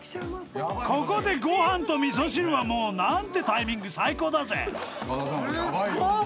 ここでご飯とみそ汁はもうなんてタイミング最高だぜすごっ！